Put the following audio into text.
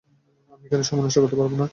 আমি এখানে সময় নষ্ট করতে পারবো না!